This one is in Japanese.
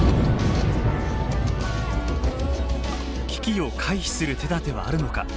危機を回避する手だてはあるのか。